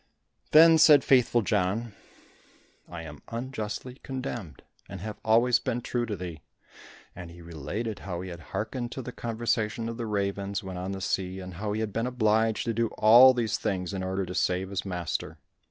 Then said Faithful John, "I am unjustly condemned, and have always been true to thee," and he related how he had hearkened to the conversation of the ravens when on the sea, and how he had been obliged to do all these things in order to save his master.